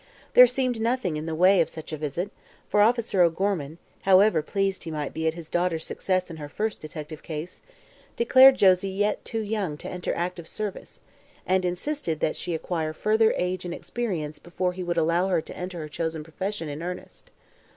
There seemed nothing in the way of such a visit, for Officer O'Gorman, however pleased he might be at his daughter's success in her first detective case, declared Josie yet too young to enter active service and insisted that she acquire further age and experience before he would allow her to enter her chosen profession in earnest.